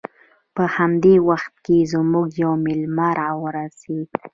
په همدې وخت کې زموږ یو میلمه راورسید